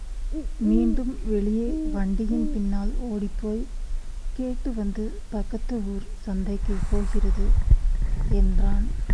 மீண்டும் வெளியே வண்டியின் பின்னால் ஒடிப்போய்க் கேட்டுவந்து பக்கத்து ஊர் சந்தைக்குப் போகிறது என்றான்.